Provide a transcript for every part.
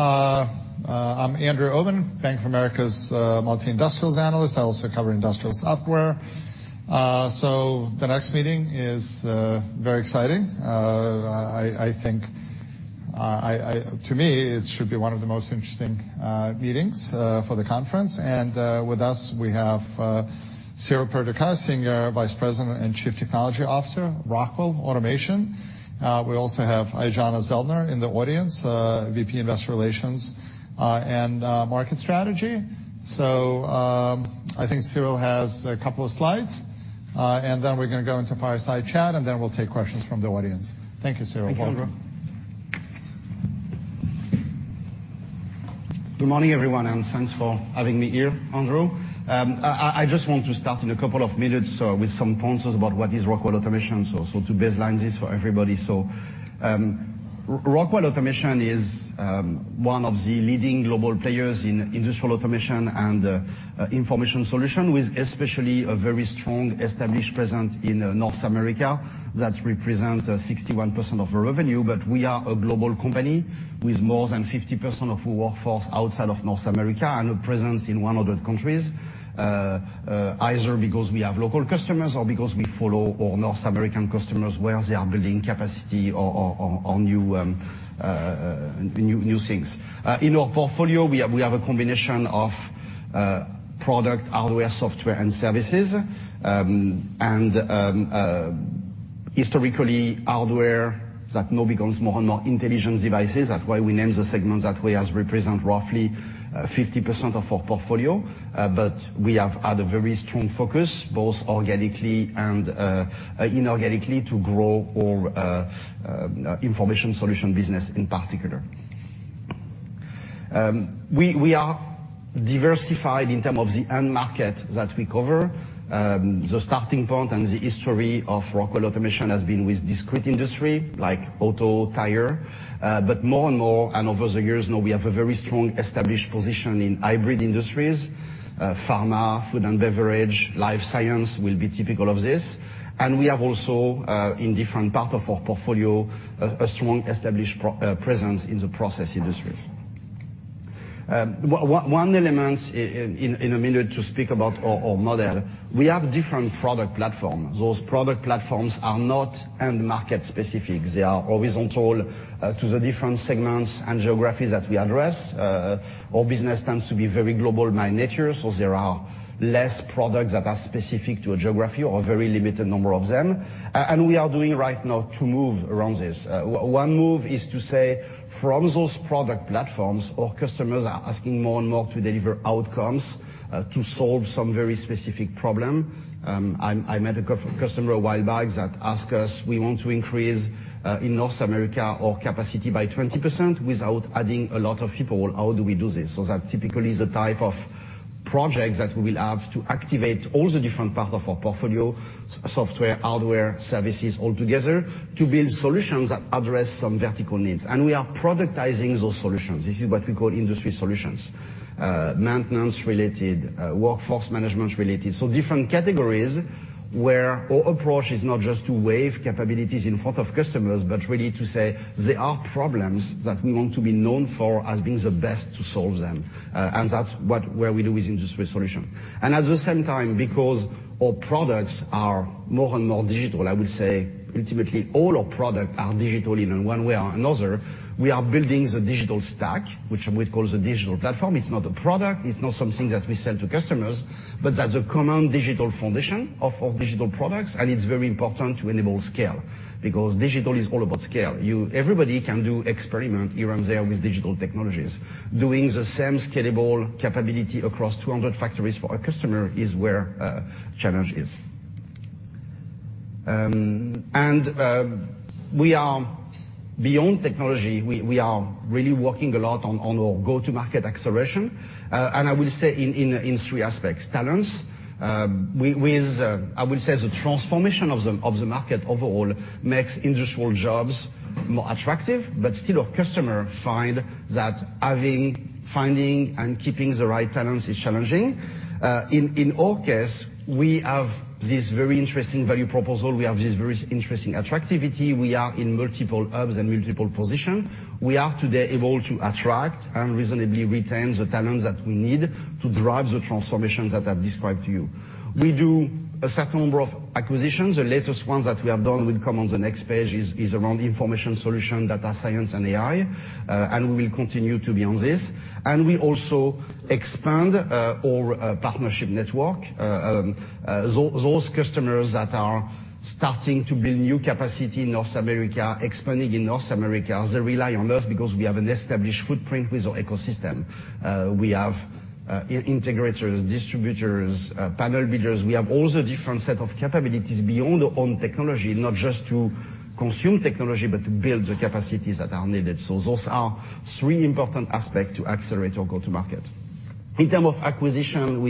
I'm Andrew Obin, Bank of America's Multi-Industrials Analyst. I also cover industrial software. The next meeting is very exciting. I think, to me, it should be one of the most interesting meetings for the conference. With us, we have Cyril Perducat, Senior Vice President and Chief Technology Officer, Rockwell Automation. We also have Aijana Zellner in the audience, VP Investor Relations, and Market Strategy. I think Cyril has a couple of slides, and then we're gonna go into fireside chat, and then we'll take questions from the audience. Thank you, Cyril. Thank you, Andrew. Good morning, everyone, and thanks for having me here, Andrew. I just want to start in a couple of minutes with some points about what is Rockwell Automation, so to baseline this for everybody. Rockwell Automation is one of the leading global players in industrial automation and information solution, with especially a very strong established presence in North America that represent 61% of our revenue. We are a global company with more than 50% of our workforce outside of North America and a presence in 100 countries, either because we have local customers or because we follow our North American customers where they are building capacity or new things. In our portfolio, we have a combination of product, hardware, software, and services. Historically, hardware that now becomes more and more intelligence devices. That's why we named the segment that way, as represent roughly 50% of our portfolio. We have had a very strong focus, both organically and inorganically, to grow our information solution business in particular. We are diversified in term of the end market that we cover. The starting point and the history of Rockwell Automation has been with discrete industry like auto, tire. More and more and over the years now, we have a very strong established position in hybrid industries. Pharma, food and beverage, life science will be typical of this. We have also in different part of our portfolio, a strong established presence in the process industries. One element in a minute to speak about our model, we have different product platforms. Those product platforms are not end market-specific. They are horizontal to the different segments and geographies that we address. Our business tends to be very global by nature, so there are less products that are specific to a geography or a very limited number of them. We are doing right now to move around this. One move is to say from those product platforms, our customers are asking more and more to deliver outcomes to solve some very specific problem. I met a customer a while back that ask us, "We want to increase in North America our capacity by 20% without adding a lot of people. How do we do this?" That typically is the type of project that we will have to activate all the different part of our portfolio, software, hardware, services all together to build solutions that address some vertical needs. We are productizing those solutions. This is what we call industry solutions. Maintenance-related, workforce management-related. Different categories where our approach is not just to wave capabilities in front of customers, but really to say there are problems that we want to be known for as being the best to solve them. And that's where we do with industry solution. At the same time, because our products are more and more digital, I would say ultimately all our product are digital in one way or another. We are building the digital stack, which we call the digital platform. It's not a product. It's not something that we sell to customers, but that's a common digital foundation of our digital products, and it's very important to enable scale because digital is all about scale. Everybody can do experiment here and there with digital technologies. Doing the same scalable capability across 200 factories for a customer is where challenge is. We are beyond technology, we are really working a lot on our go-to-market acceleration, and I will say in three aspects. Talents. I will say the transformation of the market overall makes industrial jobs more attractive, but still our customer find that having, finding, and keeping the right talents is challenging. In our case, we have this very interesting value proposal. We have this very interesting attractivity. We are in multiple hubs and multiple position. We are today able to attract and reasonably retain the talents that we need to drive the transformations that I described to you. We do a certain number of acquisitions. The latest ones that we have done will come on the next page is around information solution, data science and AI. We will continue to be on this. We also expand our partnership network. Those customers that are starting to build new capacity in North America, expanding in North America, they rely on us because we have an established footprint with our ecosystem. We have integrators, distributors, panel builders. We have all the different set of capabilities beyond our own technology, not just to consume technology, but to build the capacities that are needed. Those are three important aspect to accelerate our go-to-market. In term of acquisition,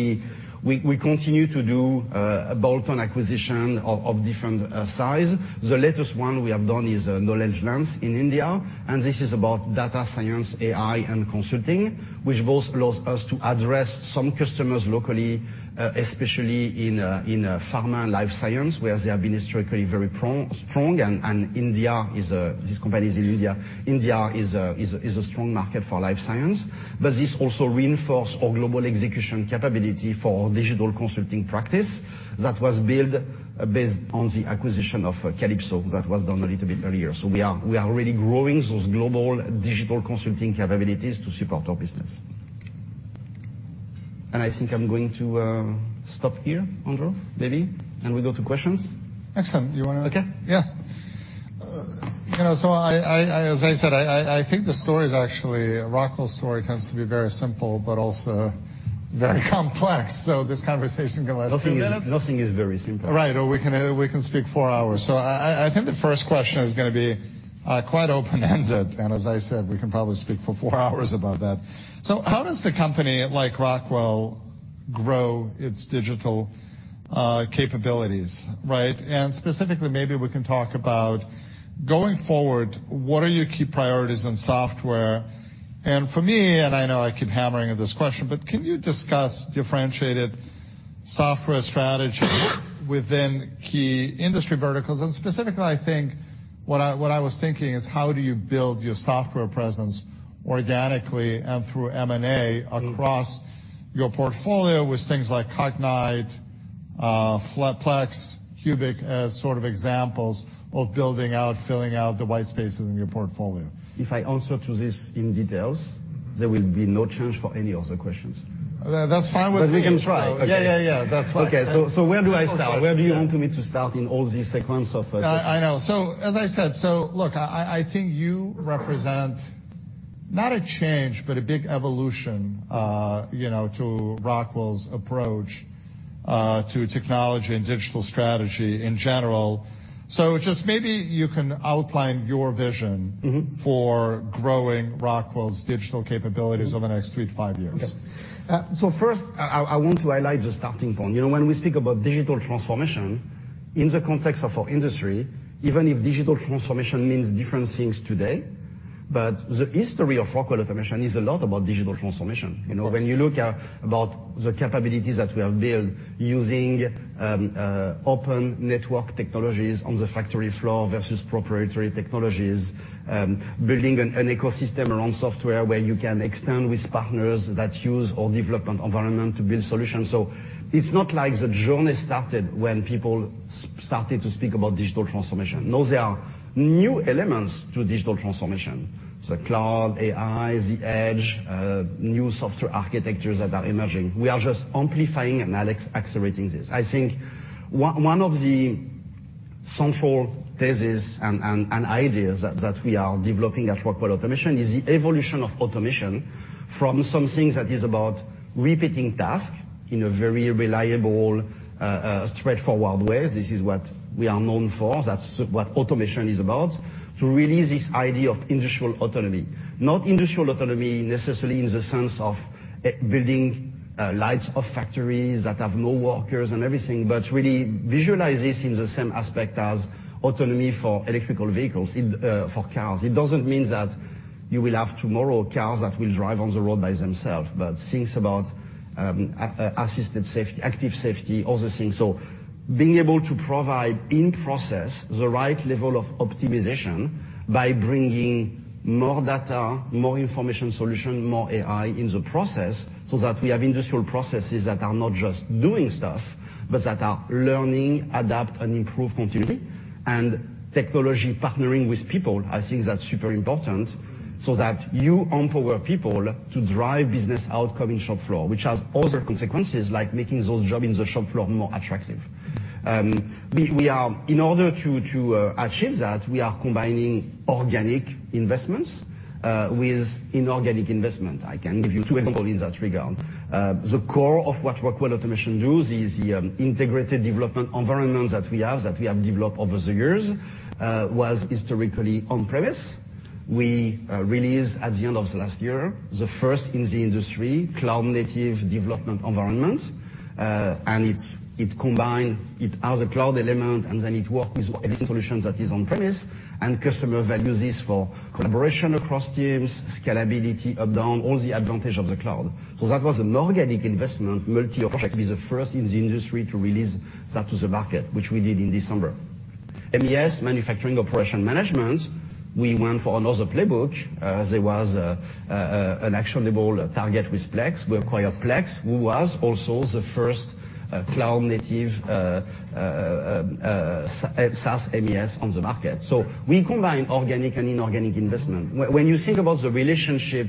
we continue to do a bolt-on acquisition of different size. The latest one we have done is Knowledge Lens in India, and this is about data science, AI, and consulting, which both allows us to address some customers locally, especially in pharma and life science, where they have been historically very strong. India is, this company is in India. India is a strong market for life science. This also reinforce our global execution capability for digital consulting practice that was built based on the acquisition of Kalypso that was done a little bit earlier. We are really growing those global digital consulting capabilities to support our business. I think I'm going to stop here, Andrew, maybe, and we go to questions. Excellent. Do you wanna Okay. Yeah. You know, I as I said, I think the story is actually Rockwell's story tends to be very simple but also very complex. This conversation can last a minute. Nothing is very simple. Right. Or we can speak four hours. I think the first question is gonna be quite open-ended. As I said, we can probably speak for four hours about that. How does the company like Rockwell grow its digital capabilities, right? Specifically, maybe we can talk about going forward, what are your key priorities in software? For me, and I know I keep hammering at this question, can you discuss differentiated software strategy within key industry verticals? Specifically, I think what I was thinking is how do you build your software presence organically and through M&A across your portfolio with things like Cognite, Plex, CUBIC, as sort of examples of building out, filling out the white spaces in your portfolio. If I answer to this in details, there will be no chance for any other questions. That's fine with me. We can try. Yeah, yeah. That's fine. Okay. Where do I start? Where do you want me to start in all these segments of? I know. As I said, look, I think you represent not a change, but a big evolution, you know, to Rockwell's approach to technology and digital strategy in general. Just maybe you can outline your vision- Mm-hmm. for growing Rockwell's digital capabilities over the next three to five years. Okay. First I want to highlight the starting point. You know, when we speak about digital transformation in the context of our industry, even if digital transformation means different things today, the history of Rockwell Automation is a lot about digital transformation. You know, when you look at about the capabilities that we have built using open network technologies on the factory floor versus proprietary technologies, building an ecosystem around software where you can extend with partners that use our development environment to build solutions. It's not like the journey started when people started to speak about digital transformation. Those are new elements to digital transformation. The cloud, AI, the edge, new software architectures that are emerging. We are just amplifying and accelerating this. I think one of the central thesis and ideas that we are developing at Rockwell Automation is the evolution of automation from something that is about repeating tasks in a very reliable, straightforward way. This is what we are known for. That's what automation is about, to really this idea of industrial autonomy. Not industrial autonomy necessarily in the sense of building lights off factories that have no workers and everything, but really visualize this in the same aspect as autonomy for electrical vehicles in for cars. It doesn't mean that you will have tomorrow cars that will drive on the road by themselves, but things about assisted safety, active safety, other things. Being able to provide in process the right level of optimization by bringing more data, more information solution, more AI in the process, so that we have industrial processes that are not just doing stuff, but that are learning, adapt, and improve continually. Technology partnering with people, I think that's super important, so that you empower people to drive business outcome in shop floor, which has other consequences like making those job in the shop floor more attractive. We are combining organic investments with inorganic investment. I can give you two example in that regard. The core of what Rockwell Automation do is the integrated development environment that we have, that we have developed over the years, was historically on premise. We released at the end of last year, the first in the industry cloud-native development environment, it combine it as a cloud element, and then it work with existing solutions that is on premise. Customer value this for collaboration across teams, scalability up, down, all the advantage of the cloud. That was an organic investment multi-project, be the first in the industry to release that to the market, which we did in December. MES, manufacturing operation management, we went for another playbook. There was an actionable target with Plex. We acquired Plex, who was also the first cloud-native SaaS MES on the market. We combine organic and inorganic investment. When you think about the relationship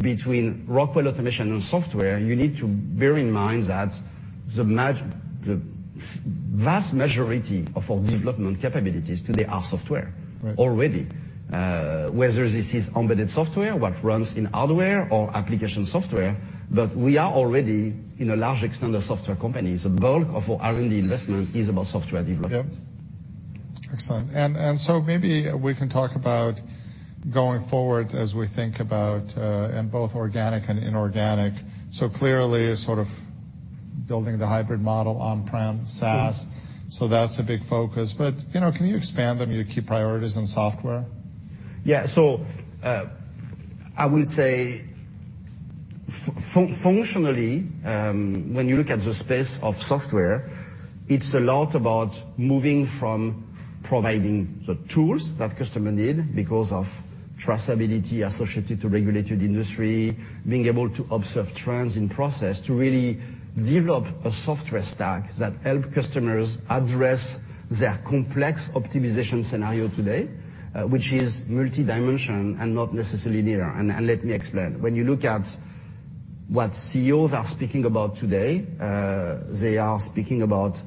between Rockwell Automation and software, you need to bear in mind that the vast majority of our development capabilities today are software. Right. Already. Whether this is embedded software, what runs in hardware or application software. We are already in a large extent a software company. The bulk of our R&D investment is about software development. Excellent. Maybe we can talk about going forward as we think about in both organic and inorganic. Clearly sort of building the hybrid model on-prem SaaS. Mm. That's a big focus. You know, can you expand on your key priorities in software? I will say functionally, when you look at the space of software, it's a lot about moving from providing the tools that customer need because of trustability associated to regulated industry, being able to observe trends in process to really develop a software stack that help customers address their complex optimization scenario today, which is multi-dimension and not necessarily linear. Let me explain. When you look at what CEOs are speaking about today, they are speaking about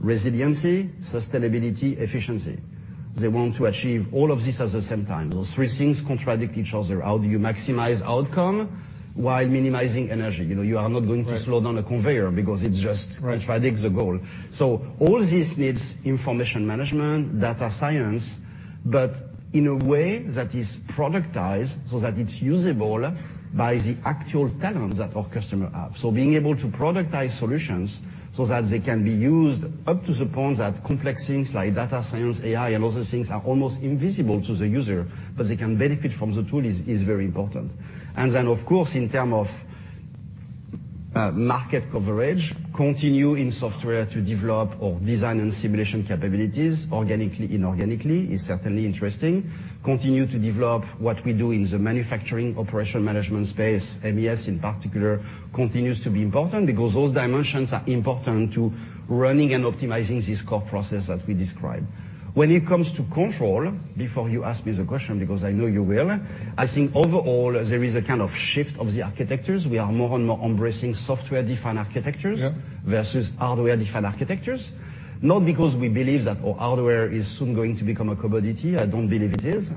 resiliency, sustainability, efficiency. They want to achieve all of this at the same time. Those three things contradict each other. How do you maximize outcome while minimizing energy? You know, you are not going. Right. Slow down a conveyor because it just contradict the goal. All this needs information management, data science, but in a way that is productized so that it's usable by the actual talents that our customer have. Being able to productize solutions so that they can be used up to the point that complex things like data science, AI, and other things are almost invisible to the user, but they can benefit from the tool is very important. Then, of course, in term of market coverage, continue in software to develop or design and simulation capabilities organically, inorganically is certainly interesting. Continue to develop what we do in the manufacturing operation management space. MES in particular continues to be important because those dimensions are important to running and optimizing this core process that we describe. When it comes to control, before you ask me the question because I know you will, I think overall there is a kind of shift of the architectures. We are more and more embracing software-defined architectures. Yeah. Versus hardware-defined architectures, not because we believe that our hardware is soon going to become a commodity. I don't believe it is.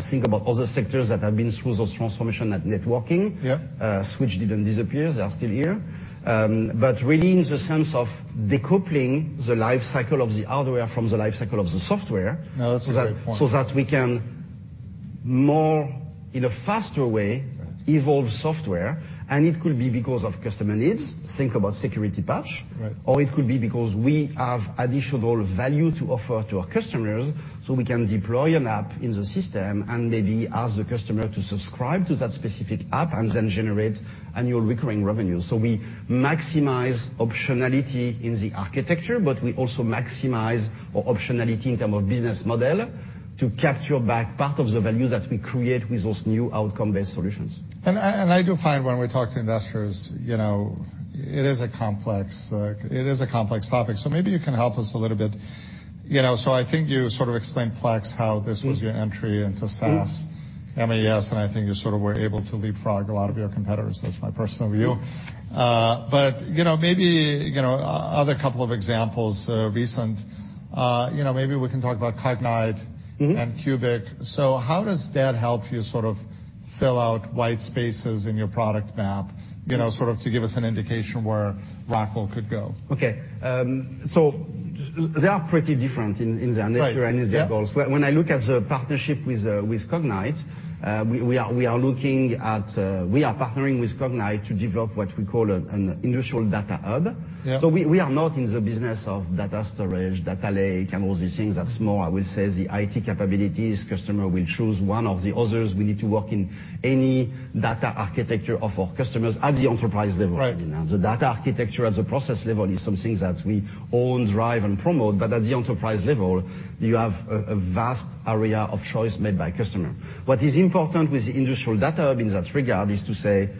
think about other sectors that have been through those transformation, like networking. Yeah. Switch didn't disappear. They are still here. Really in the sense of decoupling the life cycle of the hardware from the life cycle of the software. That's a great point. That we can more in a faster way. Right. Evolve software, and it could be because of customer needs. Think about security patch. Right. It could be because we have additional value to offer to our customers. We can deploy an app in the system and maybe ask the customer to subscribe to that specific app, and then generate annual recurring revenue. We maximize optionality in the architecture, but we also maximize our optionality in term of business model to capture back part of the value that we create with those new outcome-based solutions. I, and I do find when we talk to investors, you know, it is a complex topic, so maybe you can help us a little bit. You know, I think you sort of explained Plex, how this was your entry into SaaS. Mm. MES, I think you sort of were able to leapfrog a lot of your competitors. That's my personal view. You know, other couple of examples, recent, you know, maybe we can talk about Cognite and CUBIC. How does that help you sort of fill out wide spaces in your product map, you know, sort of to give us an indication where Rockwell could go? Okay. They are pretty different in their nature. Right. Yeah. Their goals. When I look at the partnership with Cognite, we are looking at, we are partnering with Cognite to develop what we call an industrial data hub. Yeah. We are not in the business of data storage, data lake, and all these things that's more, I will say, the IT capabilities. Customer will choose one or the others. We need to work in any data architecture of our customers at the enterprise level. Right. The data architecture at the process level is something that we own, drive, and promote. At the enterprise level, you have a vast area of choice made by customer. What is important with the industrial data in that regard is to say,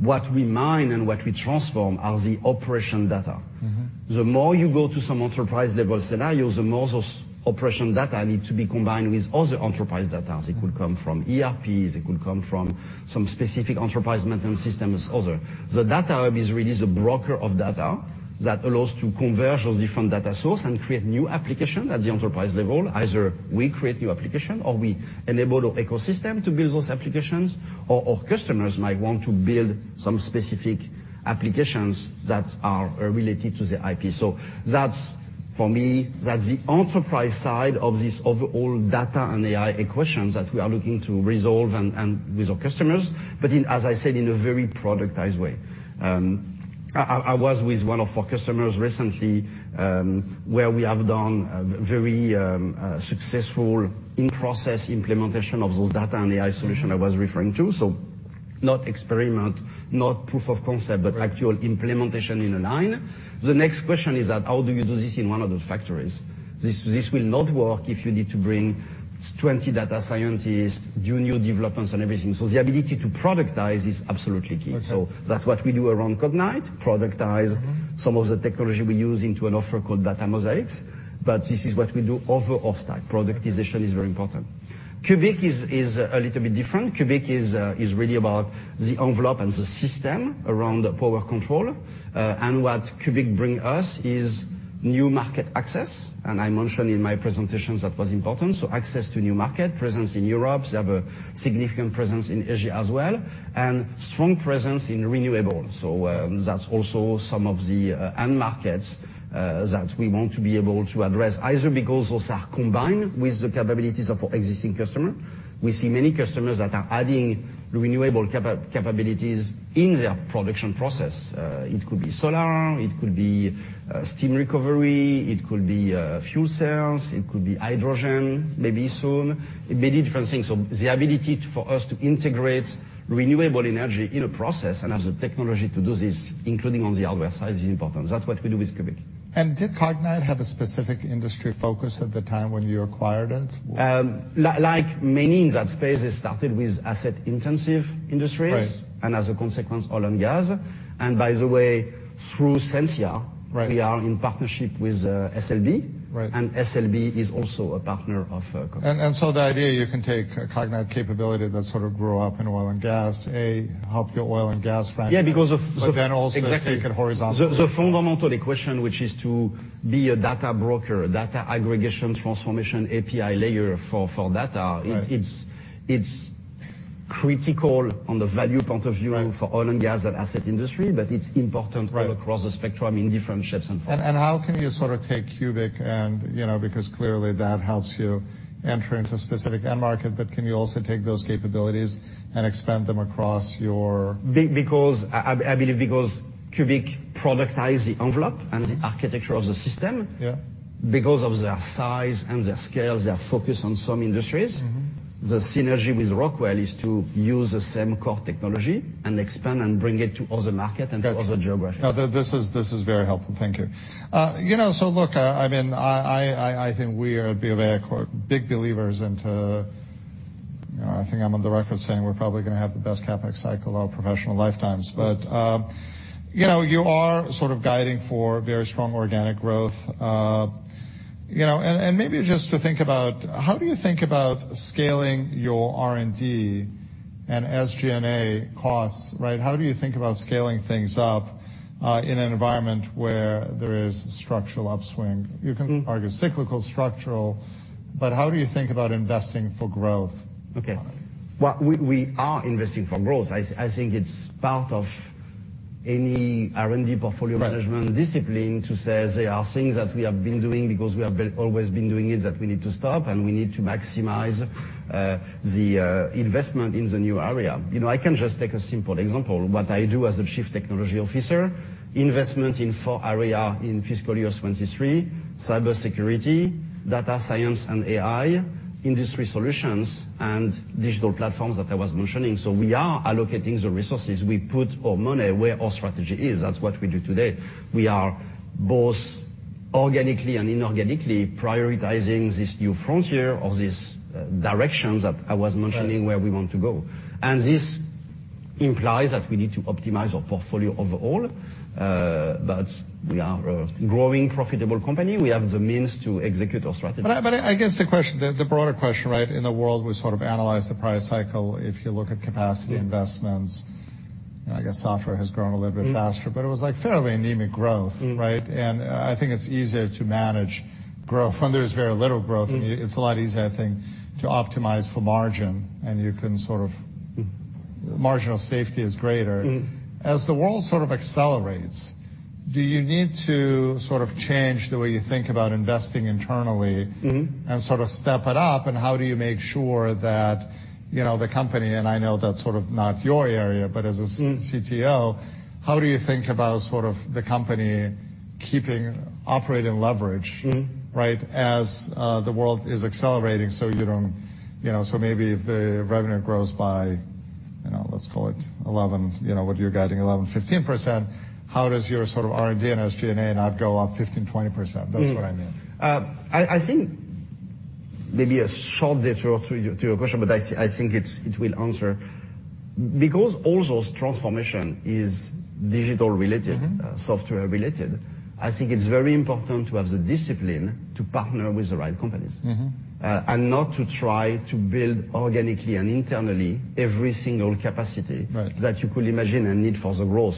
what we mine and what we transform are the operation data. Mm-hmm. The more you go to some enterprise level scenarios, the more those operation data need to be combined with other enterprise data. It could come from ERPs. It could come from some specific enterprise maintenance systems, other. The data hub is really the broker of data that allows to converge those different data source and create new application at the enterprise level. Either we create new application, or we enable our ecosystem to build those applications. Customers might want to build some specific applications that are related to the IP. That's, for me, that's the enterprise side of this overall data and AI equations that we are looking to resolve and with our customers, but as I said, in a very productized way. I was with one of our customers recently, where we have done a very successful in-process implementation of those data and AI solution I was referring to. Not experiment, not proof of concept. Right. Actual implementation in a line. The next question is that how do you do this in one of those factories? This will not work if you need to bring 20 data scientists, do new developments and everything. The ability to productize is absolutely key. Okay. That's what we do around Cognite. Mm-hmm. Some of the technology we use into an offer called Data Mosaics. This is what we do over off-stack. Productization is very important. CUBIC is a little bit different. CUBIC is really about the envelope and the system around the power control. What CUBIC bring us is new market access, and I mentioned in my presentations that was important. Access to new market, presence in Europe. They have a significant presence in Asia as well, and strong presence in renewable. That's also some of the end markets that we want to be able to address, either because those are combined with the capabilities of our existing customer. We see many customers that are adding-renewable capa-capabilities in their production process. It could be solar, it could be steam recovery, it could be fuel cells, it could be hydrogen, maybe soon. Many different things. The ability for us to integrate renewable energy in a process and have the technology to do this, including on the hardware side, is important. That's what we do with CUBIC. Did Cognite have a specific industry focus at the time when you acquired it? Like many in that space, it started with asset-intensive industries. Right. As a consequence, oil and gas. By the way, through Sensia- Right. We are in partnership with SLB. Right. SLB is also a partner of CUBIC. The idea you can take a Cognite capability that sort of grew up in oil and gas, help your oil and gas. Yeah, because of. also- Exactly. take it horizontally. The fundamental equation, which is to be a data broker, a data aggregation transformation API layer for data... Right. It's critical on the value point of view for oil and gas and asset industry, but it's important- Right. All across the spectrum in different shapes and forms. How can you sort of take CUBIC and, you know, because clearly that helps you enter into a specific end market, but can you also take those capabilities and expand them across. Because I believe because CUBIC productize the envelope and the architecture of the system. Yeah. Because of their size and their scale, they are focused on some industries. Mm-hmm. The synergy with Rockwell is to use the same core technology and expand and bring it to other market and other geographies. Got it. No, this is, this is very helpful. Thank you. You know, look, I mean, I, I think we are at BofA Corp big believers into. You know, I think I'm on the record saying we're probably gonna have the best CapEx cycle of our professional lifetimes. You know, you are sort of guiding for very strong organic growth, you know. And maybe just to think about how do you think about scaling your R&D and SG&A costs, right? How do you think about scaling things up in an environment where there is structural upswing? Mm. You can argue cyclical, structural, but how do you think about investing for growth? Okay. Well, we are investing for growth. I think it's part of any R&D portfolio management discipline to say there are things that we have been doing, because we have been always been doing it, that we need to stop, and we need to maximize the investment in the new area. You know, I can just take a simple example. What I do as the Chief Technology Officer, investment in four area in fiscal year 2023: cybersecurity, data science and AI, industry solutions, and digital platforms that I was mentioning. We are allocating the resources. We put our money where our strategy is. That's what we do today. We are both organically and inorganically prioritizing this new frontier or this direction that I was mentioning. Right. Where we want to go. This implies that we need to optimize our portfolio overall, we are a growing profitable company. We have the means to execute our strategy. I guess the question, the broader question, right, in the world, we sort of analyze the price cycle. If you look at capacity investments, and I guess software has grown a little bit faster- Mm. It was like fairly anemic growth, right? Mm. I think it's easier to manage growth. When there is very little growth- Mm. It's a lot easier, I think, to optimize for margin, and you can sort of- Mm. Margin of safety is greater. Mm. As the world sort of accelerates, do you need to sort of change the way you think about investing internally? Mm-hmm. Sort of step it up? how do you make sure that, you know, the company, and I know that's sort of not your area, but. Mm. CTO, how do you think about sort of the company keeping operating leverage? Mm. Right, as the world is accelerating so you don't, you know. Maybe if the revenue grows by, you know, let's call it 11%, you know, what you're guiding, 11%-15%, how does your sort of R&D and SG&A not go up 15%-20%? Mm. That's what I mean. I think maybe a short detour to your question, but I think it will answer. All those transformation is digital related. Mm-hmm. Software related, I think it's very important to have the discipline to partner with the right companies. Mm-hmm. Not to try to build organically and internally every single Right. -that you could imagine a need for the role.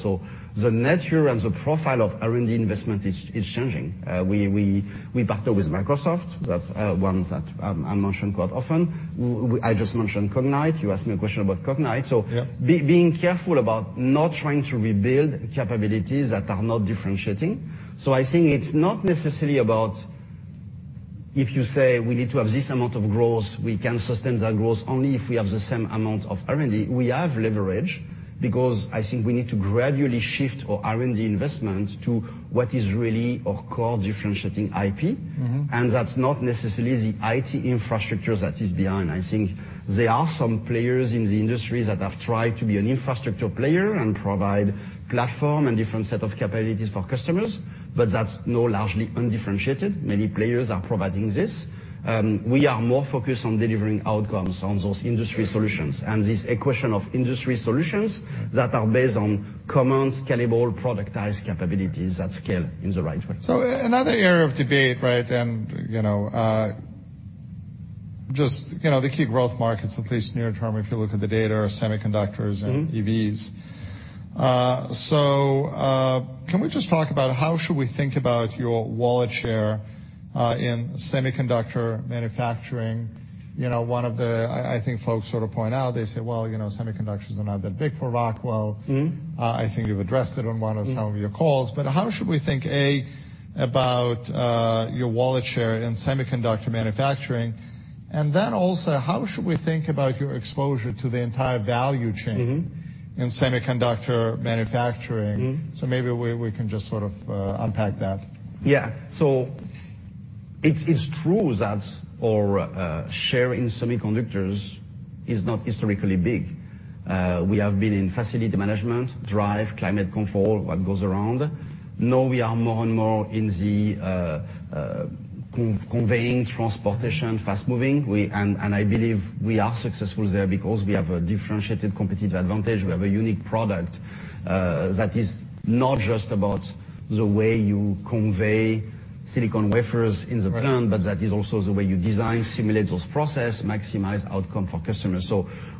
The nature and the profile of R&D investment is changing. We partner with Microsoft. That's one that I mention quite often. I just mentioned Cognite. You asked me a question about Cognite. Yeah. Being careful about not trying to rebuild capabilities that are not differentiating. I think it's not necessarily about if you say we need to have this amount of growth, we can sustain that growth only if we have the same amount of R&D. We have leverage because I think we need to gradually shift our R&D investment to what is really our core differentiating IP. Mm-hmm. That's not necessarily the IT infrastructure that is behind. I think there are some players in the industry that have tried to be an infrastructure player and provide platform and different set of capabilities for customers, but that's now largely undifferentiated. Many players are providing this. We are more focused on delivering outcomes on those industry solutions and this equation of industry solutions that are based on common, scalable, productized capabilities that scale in the right way. Another area of debate, right, and, you know, just, you know, the key growth markets, at least near-term, if you look at the data, are semiconductors. Mm. EVs. Can we just talk about how should we think about your wallet share in semiconductor manufacturing? You know, one of the I think folks sort of point out, they say, "Well, you know, semiconductors are not that big for Rockwell. Mm-hmm. I think you've addressed it on one of some of your calls. How should we think, A, about your wallet share in semiconductor manufacturing? Also, how should we think about your exposure to the entire value chain... Mm-hmm. in semiconductor manufacturing? Mm-hmm. Maybe we can just sort of unpack that. It's true that our share in semiconductors is not historically big. We have been in facility management, drive, climate control, what goes around. Now we are more and more in the conveying, transportation, fast-moving. I believe we are successful there because we have a differentiated competitive advantage. We have a unique product that is not just about the way you convey silicon wafers in the plant- Right. That is also the way you design, simulate those process, maximize outcome for customers.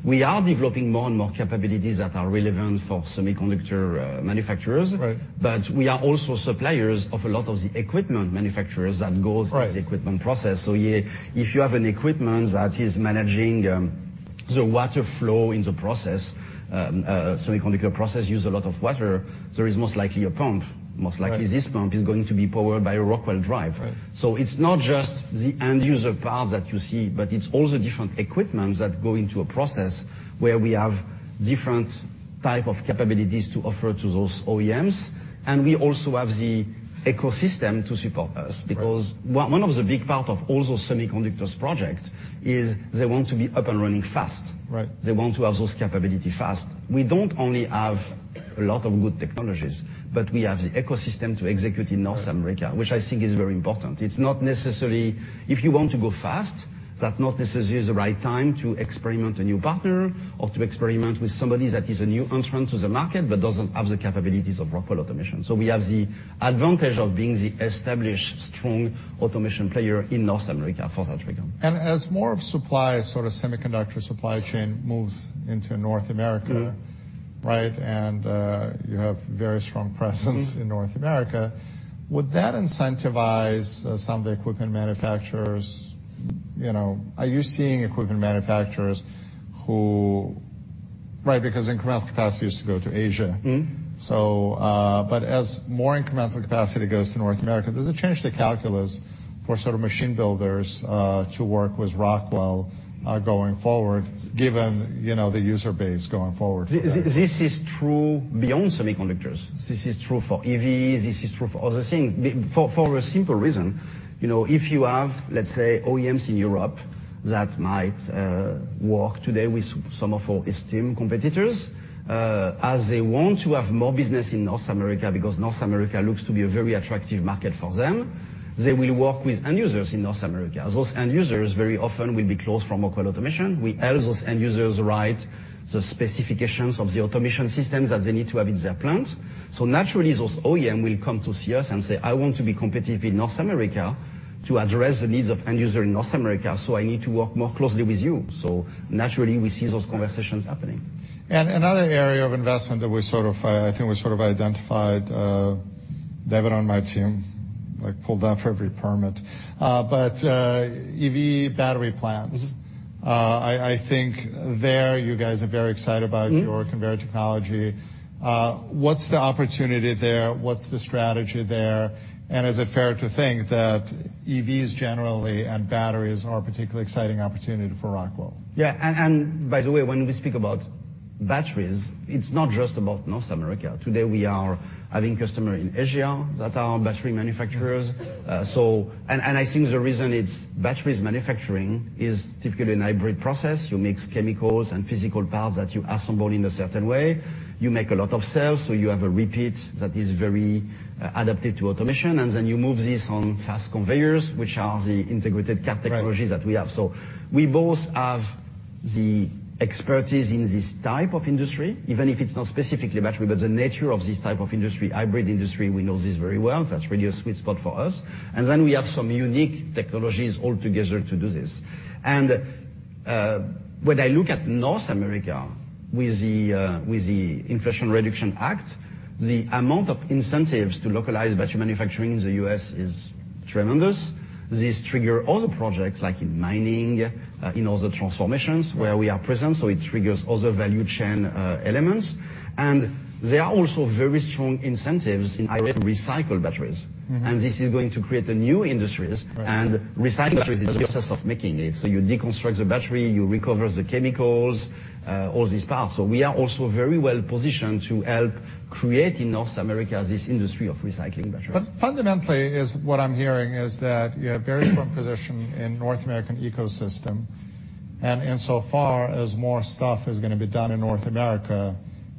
We are developing more and more capabilities that are relevant for semiconductor manufacturers. Right. We are also suppliers of a lot of the equipment manufacturers that. Right. -with the equipment process. Yeah, if you have an equipment that is managing the water flow in the process, semiconductor process use a lot of water, there is most likely a pump. Right. This pump is going to be powered by a Rockwell drive. Right. It's not just the end user power that you see, but it's also different equipments that go into a process where we have different type of capabilities to offer to those OEMs, and we also the ecosystem to support us. Right. Because one of the big part of all those semiconductors project is they want to be up and running fast. Right. They want to have those capability fast. We don't only have a lot of good technologies, but we have the ecosystem to execute in North America. Right. Which I think is very important. It's not necessarily... If you want to go fast, that not necessarily is the right time to experiment a new partner or to experiment with somebody that is a new entrant to the market, but doesn't have the capabilities of Rockwell Automation. We have the advantage of being the established strong automation player in North America for that reason. As more of supply, sort of semiconductor supply chain moves into North America. Mm-hmm. Right? You have very strong presence in North America. Would that incentivize some of the equipment manufacturers, you know? Are you seeing equipment manufacturers who? Right, because incremental capacity used to go to Asia. Mm-hmm. As more incremental capacity goes to North America, does it change the calculus for sort of machine builders to work with Rockwell, going forward, given, you know, the user base going forward for that? This is true beyond semiconductors. This is true for EVs, this is true for other things. For a simple reason, you know, if you have, let's say, OEMs in Europe that might work today with some of our esteemed competitors, as they want to have more business in North America, because North America looks to be a very attractive market for them, they will work with end users in North America. Those end users very often will be close from Rockwell Automation. We help those end users write the specifications of the automation systems that they need to have in their plants. Naturally, those OEM will come to see us and say, "I want to be competitive in North America to address the needs of end user in North America, so I need to work more closely with you." Naturally, we see those conversations happening. Another area of investment that we sort of, I think we sort of identified, Devon on my team, like, pulled out for every permit. EV battery plans. Mm-hmm. I think there you guys are very excited. Mm-hmm. Your conveyor technology. What's the opportunity there? What's the strategy there? Is it fair to think that EVs generally and batteries are a particularly exciting opportunity for Rockwell? Yeah. By the way, when we speak about batteries, it's not just about North America. Today, we are having customer in Asia that are battery manufacturers. I think the reason it's batteries manufacturing is typically an hybrid process. You mix chemicals and physical parts that you assemble in a certain way. You make a lot of cells, so you have a repeat that is very adapted to automation, and then you move this on fast conveyors, which are the integrated cart technology that we have. Right. We both have the expertise in this type of industry, even if it's not specifically battery, but the nature of this type of industry, hybrid industry, we know this very well. That's really a sweet spot for us. We have some unique technologies all together to do this. When I look at North America with the Inflation Reduction Act, the amount of incentives to localize battery manufacturing in the U.S. is tremendous. This trigger other projects like in mining, in all the transformations where we are present, so it triggers other value chain elements. There are also very strong incentives in hybrid recycled batteries. Mm-hmm. This is going to create the new industries. Right. Recycling batteries is a process of making it. You deconstruct the battery, you recover the chemicals, all these parts. We are also very well positioned to help create in North America this industry of recycling batteries. Fundamentally, what I'm hearing is that you have very strong position in North American ecosystem. Insofar as more stuff is going to be done in North America,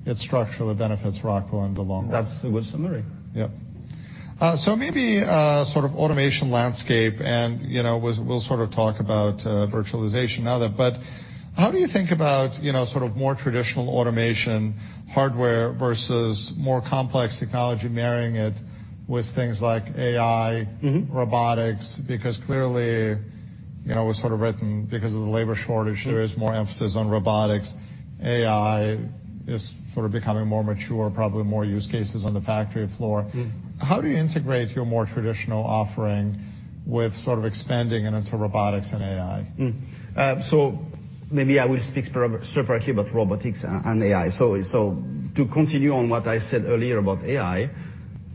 it structurally benefits Rockwell in the long run. That's the good summary. Yep. Maybe, sort of automation landscape and, you know, we'll sort of talk about, virtualization now then, but how do you think about, you know, sort of more traditional automation hardware versus more complex technology marrying it with things like AI? Mm-hmm. Robotics? Clearly, you know, it was sort of written because of the labor shortage. Mm-hmm. There is more emphasis on robotics. AI is sort of becoming more mature, probably more use cases on the factory floor. Mm-hmm. How do you integrate your more traditional offering with sort of expanding it into robotics and AI? Maybe I will speak separately about robotics and AI. To continue on what I said earlier about AI.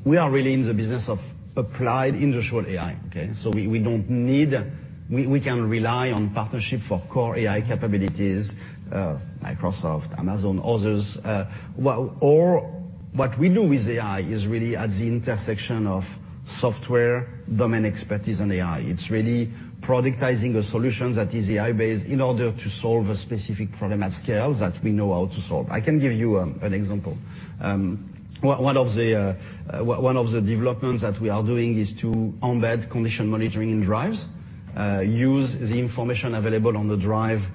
We are really in the business of applied industrial AI, okay. We can rely on partnership for core AI capabilities, Microsoft, Amazon, others. What we do with AI is really at the intersection of software domain expertise and AI. It's really productizing the solutions that is AI-based in order to solve a specific problem at scale that we know how to solve. I can give you an example. One of the developments that we are doing is to embed condition monitoring in drives. Use the information available on the drive,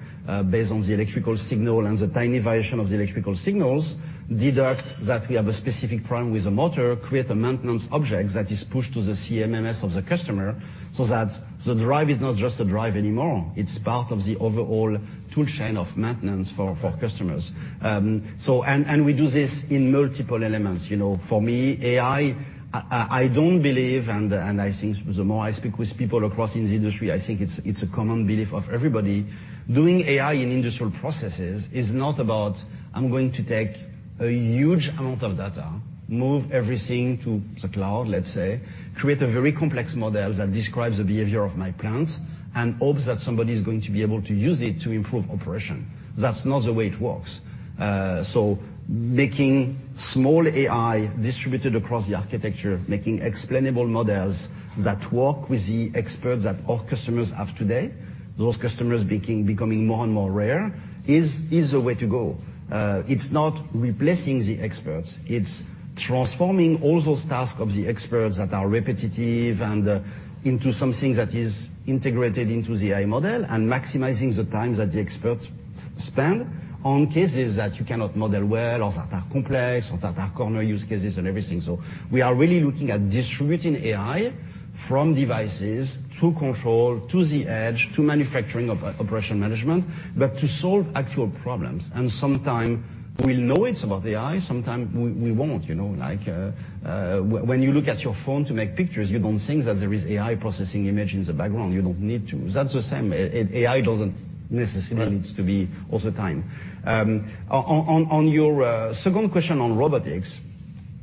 based on the electrical signal and the tiny variation of the electrical signals, deduct that we have a specific problem with the motor, create a maintenance object that is pushed to the CMMS of the customer, so that the drive is not just a drive anymore. It's part of the overall tool chain of maintenance for customers. We do this in multiple elements. You know, for me, AI, I don't believe, and I think the more I speak with people across in the industry, I think it's a common belief of everybody, doing AI in industrial processes is not about, I'm going to take a huge amount of data, move everything to the cloud, let's say, create a very complex model that describes the behavior of my plant and hope that somebody is going to be able to use it to improve operation. That's not the way it works. Making small AI distributed across the architecture, making explainable models that work with the experts that all customers have today, those customers becoming more and more rare, is the way to go. It's not replacing the experts. It's transforming all those tasks of the experts that are repetitive and into something that is integrated into the AI model and maximizing the time that the experts spend on cases that you cannot model well or that are complex or that are corner use cases and everything. We are really looking at distributing AI from devices to control to the edge to manufacturing operation management, but to solve actual problems. Sometime we'll know it's about AI, sometime we won't. You know, like, when you look at your phone to make pictures, you don't think that there is AI processing image in the background. You don't need to. That's the same. AI doesn't necessarily needs to be all the time. On, on your second question on robotics,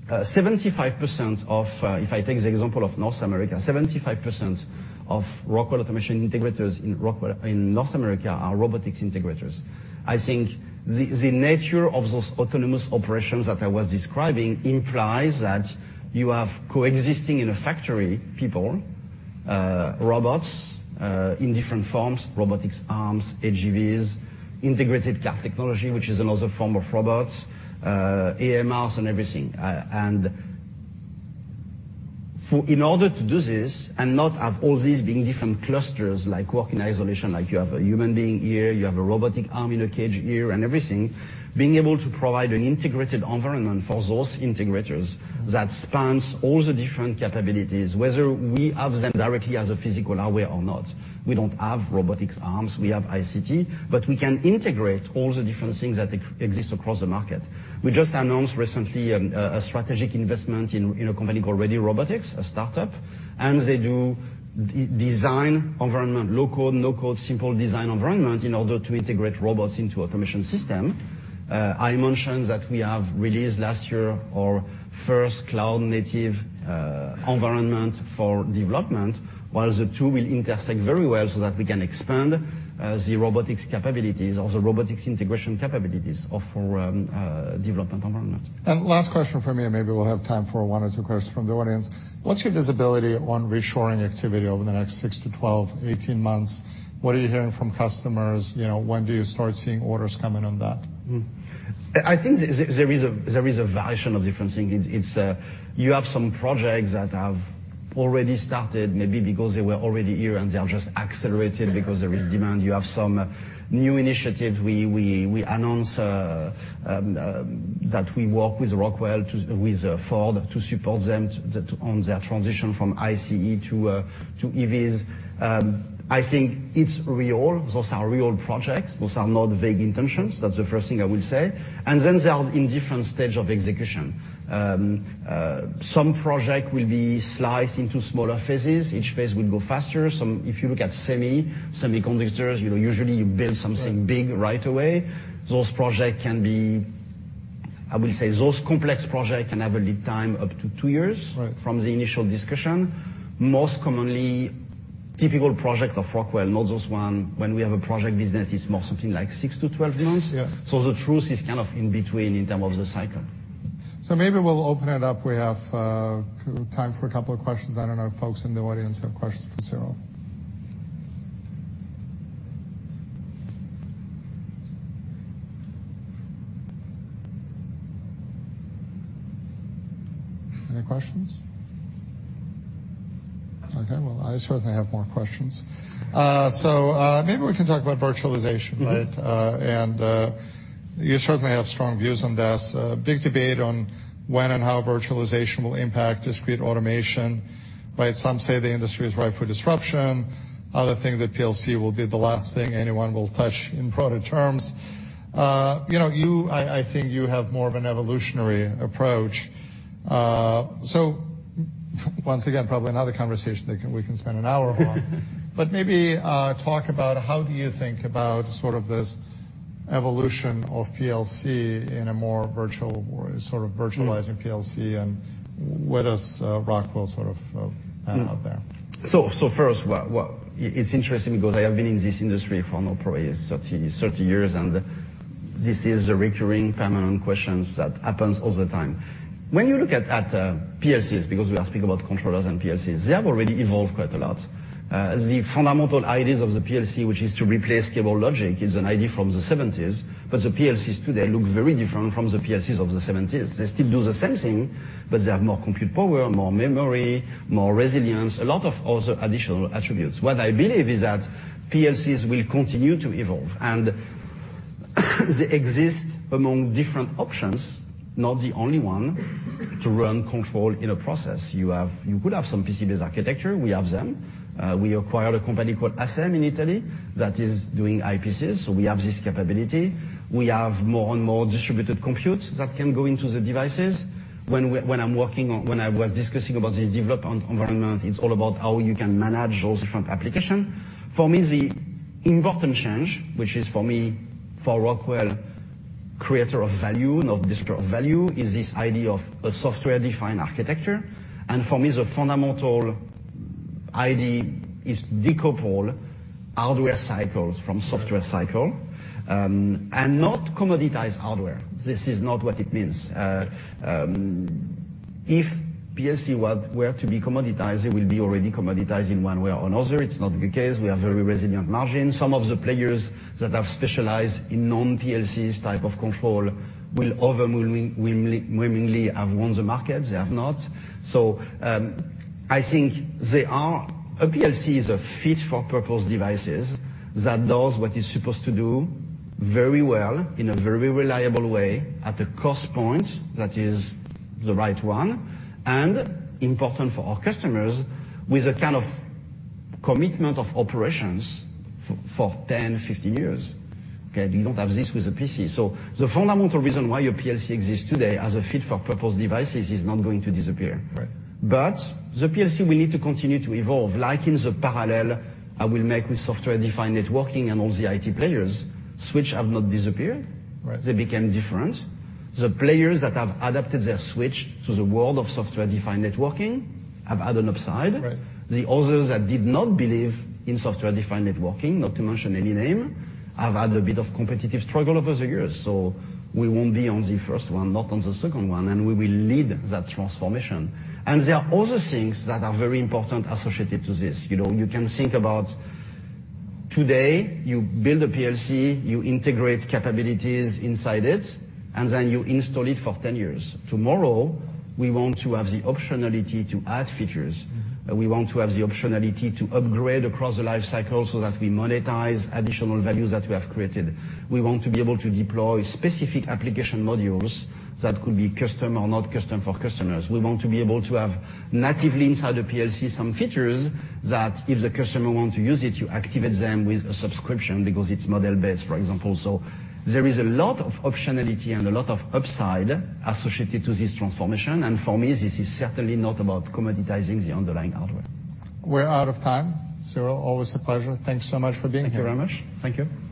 75% of, if I take the example of North America, 75% of Rockwell Automation integrators in Rockwell in North America are robotics integrators. I think the nature of those autonomous operations that I was describing implies that you have coexisting in a factory people, robots, in different forms, robotics arms, AGVs, integrated cart technology, which is another form of robots, AMRs and everything. In order to do this and not have all these being different clusters, like work in isolation, like you have a human being here, you have a robotic arm in a cage here and everything, being able to provide an integrated environment for those integrators that spans all the different capabilities, whether we have them directly as a physical hardware or not. We don't have robotics arms. We have ICT, we can integrate all the different things that exist across the market. We just announced recently a strategic investment in a company called READY Robotics, a startup, and they do design environment, low-code, no-code, simple design environment in order to integrate robots into automation system. I mentioned that we have released last year our first cloud-native environment for development, while the two will intersect very well so that we can expand the robotics capabilities or the robotics integration capabilities of our development environment. Last question from me, and maybe we'll have time for one or two questions from the audience. What's your visibility on reshoring activity over the next six to 12, 18 months? What are you hearing from customers? You know, when do you start seeing orders coming on that? I think there is a variation of different things. It's, you have some projects that have already started, maybe because they were already here, and they are just accelerated because there is demand. You have some new initiatives. We announce that we work with Rockwell with Ford to support them on their transition from ICE to EVs. I think it's real. Those are real projects. Those are not vague intentions. That's the first thing I will say. Then they are in different stage of execution. Some project will be sliced into smaller phases. Each phase will go faster. Some, if you look at semiconductors, you know, usually you build something big right away. Those projects can be, I will say, those complex projects can have a lead time up to two years. Right. From the initial discussion. Most commonly, typical project of Rockwell, not just one, when we have a project business, it's more something like six-12 months. Yeah. The truth is kind of in between in terms of the cycle. Maybe we'll open it up. We have time for a couple of questions. I don't know if folks in the audience have questions for Cyril. Any questions? Okay, well, I certainly have more questions. Maybe we can talk about virtualization, right? Mm-hmm. You certainly have strong views on this. Big debate on when and how virtualization will impact discrete automation, right? Some say the industry is ripe for disruption. Other think that PLC will be the last thing anyone will touch in product terms. You know, I think you have more of an evolutionary approach. Once again, probably another conversation that we can spend an hour on. Maybe talk about how do you think about sort of this evolution of PLC in a more virtual world, sort of virtualizing PLC, and what does Rockwell sort of have out there? First, well, it's interesting because I have been in this industry for now probably 30 years, and this is a recurring pattern and questions that happens all the time. When you look at PLCs, because we are speaking about controllers and PLCs, they have already evolved quite a lot. The fundamental ideas of the PLC, which is to replace cable logic, is an idea from the 70s, but the PLCs today look very different from the PLCs of the 70s. They still do the same thing, but they have more compute power, more memory, more resilience, a lot of other additional attributes. What I believe is that PLCs will continue to evolve and they exist among different options, not the only one, to run control in a process. You could have some PC-based architecture. We have them. We acquired a company called ASEM in Italy that is doing IPCs. We have this capability. We have more and more distributed compute that can go into the devices. When I was discussing about this development environment, it's all about how you can manage those different application. For me, the important change, which is for me, for Rockwell, creator of value, not destroyer of value, is this idea of a software-defined architecture. For me, the fundamental idea is decouple hardware cycles from software cycle and not commoditize hardware. This is not what it means. If PLC were to be commoditized, it will be already commoditized in one way or another. It's not the case. We have very resilient margins. Some of the players that have specialized in non-PLCs type of control will overwhelmingly have won the market. They have not. I think they are A PLC is a fit-for-purpose devices that does what it's supposed to do very well in a very reliable way at a cost point that is the right one, and important for our customers with a kind of commitment of operations for 10, 15 years. Okay. You don't have this with a PC. The fundamental reason why your PLC exists today as a fit-for-purpose device is it's not going to disappear. Right. The PLC will need to continue to evolve. Like in the parallel, I will make with software-defined networking and all the IT players. Switch have not disappeared. Right. They became different. The players that have adapted their switch to the world of software-defined networking have had an upside. Right. The others that did not believe in software-defined networking, not to mention any name, have had a bit of competitive struggle over the years. We won't be on the first one, not on the second one, and we will lead that transformation. There are other things that are very important associated to this. You know, you can think about today, you build a PLC, you integrate capabilities inside it, and then you install it for 10 years. Tomorrow, we want to have the optionality to add features. We want to have the optionality to upgrade across the life cycle so that we monetize additional values that we have created. We want to be able to deploy specific application modules that could be custom or not custom for customers. We want to be able to have natively inside the PLC some features that if the customer want to use it, you activate them with a subscription because it's model-based, for example. There is a lot of optionality and a lot of upside associated to this transformation. For me, this is certainly not about commoditizing the underlying hardware. We're out of time. Cyril, always a pleasure. Thank you so much for being here. Thank you very much. Thank you.